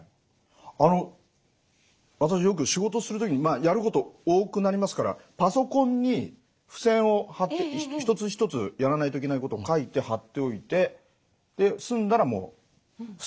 あの私よく仕事する時にやること多くなりますからパソコンに付箋を貼って一つ一つやらないといけないことを書いて貼っておいてで済んだらもう捨てるみたいな。